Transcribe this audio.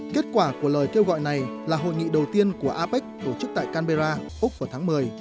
kết quả của lời kêu gọi này là hội nghị đầu tiên của apec tổ chức tại canberra úc vào tháng một mươi